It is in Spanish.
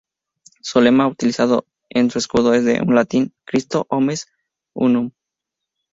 Su lema utilizado en su escudo es: en latín "Christo omnes unum".